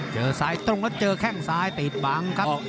เจอซ้ายตรงแล้วเจอแข้งซ้ายตีดบังครับ